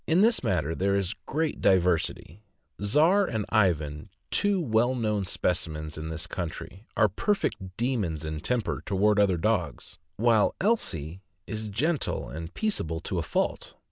In this matter there is great diversity; Czar and Ivan, two well known specimens in this country, are perfect demons in temper toward other dogs, while Elsie is gentle and THE RUSSIAN WOLFHOUND, OR BARZOI. 265 peaceable to a fault.